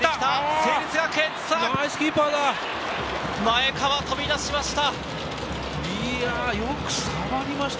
成立学園、前川、飛び出しました。